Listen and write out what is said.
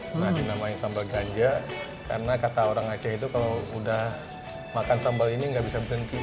pernah dinamai sambal ganja karena kata orang aceh itu kalau udah makan sambal ini nggak bisa berhenti